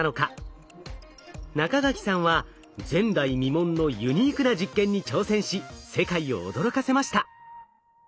中垣さんは前代未聞のユニークな実験に挑戦し世界を驚かせました。